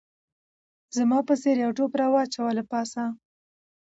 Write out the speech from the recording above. زما په څېر یو ټوپ راواچاوه له پاسه